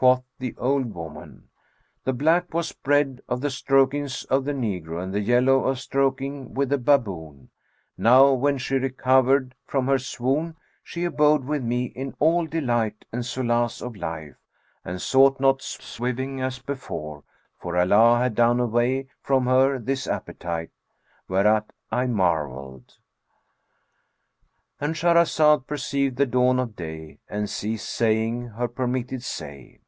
Quoth the old, woman, ''The black was bred of the strokings of the negro and the yellow of stroking with the baboon.' Now when she recovered from her swoon she abode with me, in all delight and solace of life, and sought not swiving as before, for Allah had done away from her this appetite; whereat I marvelled"—And Shahrazad perceived the dawn of day and ceased saying her permitted say.